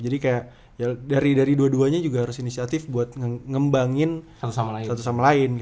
jadi kayak dari dua duanya juga harus inisiatif buat ngembangin satu sama lain